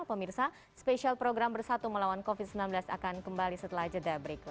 pemirsa spesial program bersatu melawan covid sembilan belas akan kembali setelah jeda berikut